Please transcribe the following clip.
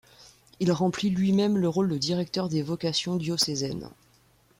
Il remplit lui-même le rôle de directeur des vocations diocésaines.